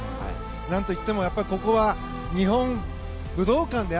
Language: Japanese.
何といってもここは日本武道館。